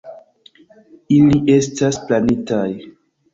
Ili estas planitaj.